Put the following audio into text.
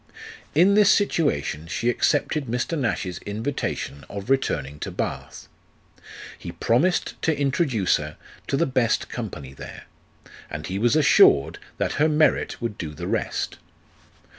In this situation she accepted Mr. Nash's invitation of returning to Bath. He promised to introduce her to the best company there, and he was assured that her merit would do the rest.